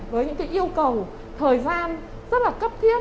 với những cái yêu cầu thời gian rất là cấp thiết